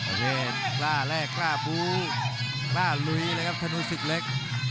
โอ้โหกล้าแรกกล้าบูกล้าลุยเลยครับธนูศึกเล็ก